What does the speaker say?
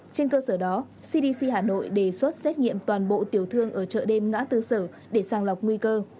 trên cơ sở đó cdc hà nội đề xuất xét nghiệm toàn bộ tiểu thương ở chợ đêm ngã tư sở để sàng lọc nguy cơ